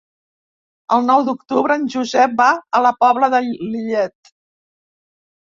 El nou d'octubre en Josep va a la Pobla de Lillet.